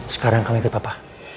sekarang kamu ikut papa